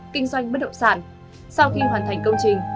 kinh doanh bất động sản sau khi hoàn thành công trình